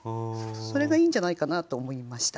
それがいいんじゃないかなと思いました。